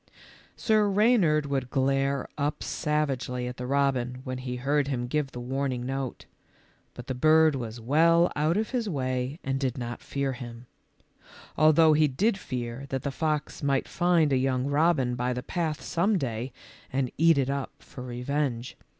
Sir Reynard would glare up savagely at the robin w r hen he heard him give the warning note, but the bird was well out of his way and did not fear him ; although he did fear that the fox might find a young robin by the path some day and eat it up for revenge.